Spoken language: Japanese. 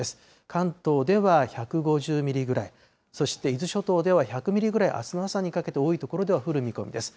関東では１５０ミリぐらい、そして伊豆諸島では１００ミリぐらい、あすの朝にかけて多い所では降る見込みです。